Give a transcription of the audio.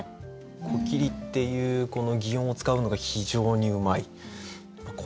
「こきり」っていうこの擬音を使うのが非常にうまい。